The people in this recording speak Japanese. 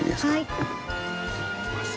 いきます。